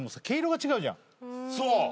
そう。